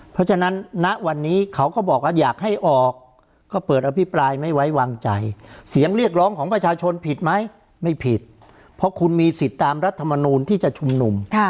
เพราะฉะนั้นณวันนี้เขาก็บอกว่าอยากให้ออกก็เปิดอภิปรายไม่ไว้วางใจเสียงเรียกร้องของประชาชนผิดไหมไม่ผิดเพราะคุณมีสิทธิ์ตามรัฐมนูลที่จะชุมนุม